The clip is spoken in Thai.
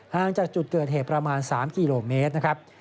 ห่างจากจุดเกิดเหตุประมาณ๓กิโลเมตรนะครับ